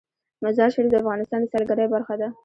مزارشریف د افغانستان د سیلګرۍ برخه ده.